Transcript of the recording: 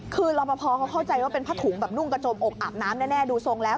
คือรอปภเขาเข้าใจว่าเป็นผ้าถุงแบบนุ่งกระจมอกอาบน้ำแน่ดูทรงแล้ว